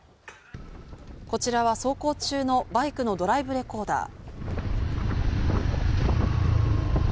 こちらは走行中のバイクのドライブレコーダー。